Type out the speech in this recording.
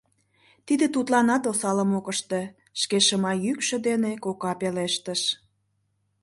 – Тиде тудланат осалым ок ыште, — шке шыма йӱкшӧ дене кока пелештыш.